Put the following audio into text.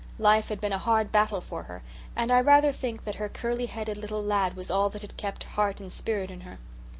Life had been a hard battle for her, and I rather think that her curly headed little lad was all that had kept heart and spirit in her.